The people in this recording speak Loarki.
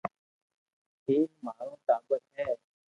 ٻي مارو ٽاٻر ھي